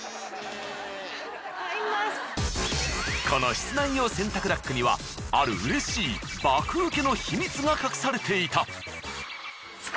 この室内用洗濯ラックにはある嬉しい爆ウケの秘密が隠されていた。